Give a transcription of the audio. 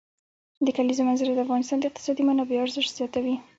د کلیزو منظره د افغانستان د اقتصادي منابعو ارزښت زیاتوي.